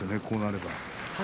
こうなれば。